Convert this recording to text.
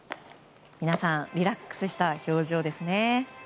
皆さんリラックスした表情ですね。